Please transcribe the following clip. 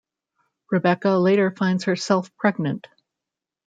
Rebecca later finds herself pregnant.